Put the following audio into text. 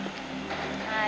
はい。